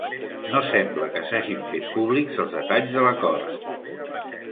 No sembla que s'hagin fet públics els detalls de l'acord.